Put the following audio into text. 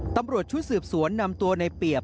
ตำรวจชุดสืบสวนนำตัวในเปรียบ